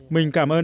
mình cảm ơn